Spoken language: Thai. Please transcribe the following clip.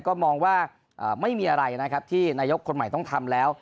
ก็มองว่าไม่มีอะไรนะครับที่นายกคนใหม่ต้องทำแล้ว